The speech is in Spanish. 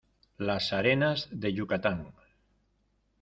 las arenas de Yucatán